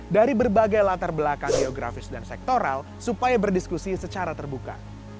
dari berbagai latar belakang geografis dan sektoral supaya berdiskusi secara terbuka